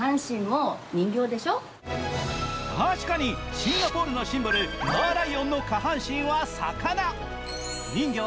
確かにシンガポールのシンボルマーライオンの下半身は魚。